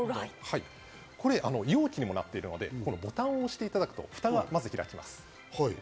これ容器にもなっているので、ボタンを押していただくと、まず蓋が開きます。